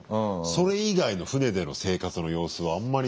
それ以外の船での生活の様子はあんまりね。